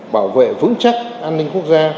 bảo vệ vững chắc an ninh quốc gia